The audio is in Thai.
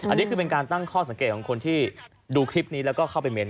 อันนี้คือเป็นการตั้งข้อสังเกตของคนที่ดูคลิปนี้แล้วก็เข้าไปเม้นต